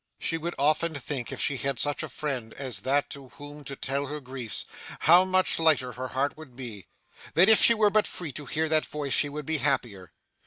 She would often think, if she had such a friend as that to whom to tell her griefs, how much lighter her heart would be that if she were but free to hear that voice, she would be happier.